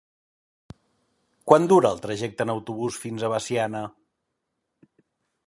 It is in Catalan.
Quant dura el trajecte en autobús fins a Veciana?